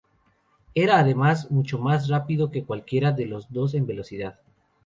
Era además mucho más rápido que cualquiera de los dos en velocidad.